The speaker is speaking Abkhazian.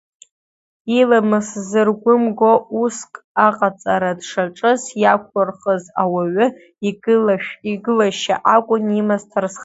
Иламыс зырхәымго уск аҟаҵара дшаҿыз иақәыркыз ауаҩы игылашьа акәын имаз Ҭарсхан.